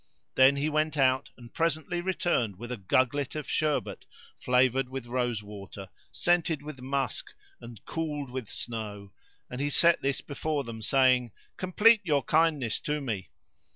Then he went out and presently returned with a gugglet of sherbet flavoured with rose water, scented with musk and cooled with snow; and he set this before them saying, "Complete your kindness to me!"